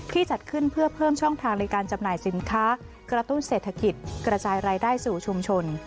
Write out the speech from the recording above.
จัดขึ้นเพื่อเพิ่มช่องทางในการจำหน่ายสินค้ากระตุ้นเศรษฐกิจกระจายรายได้สู่ชุมชน